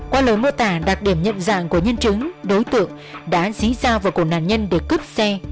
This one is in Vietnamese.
qua lời mô tả đặc điểm nhận dạng của nhân chứng đối tượng đã dí ra vào cổ nạn nhân để cướp xe